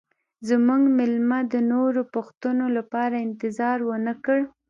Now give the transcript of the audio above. زموږ میلمه د نورو پوښتنو لپاره انتظار ونه کړ